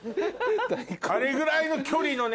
あれぐらいの距離のね